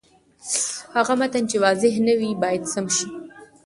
هغه متن چې واضح نه وي، باید سم شي.